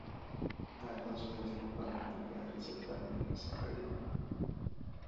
ایا تاسو د دې لپاره کوم غیر ضد درمل هڅه کړې؟